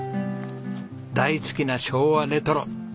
大好きな昭和レトロ。